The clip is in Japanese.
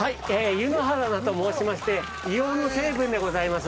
湯の花と申しまして硫黄の成分でございます。